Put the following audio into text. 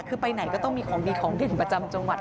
คือไปไหนก็ต้องมีของดีของเด่นประจำจังหวัด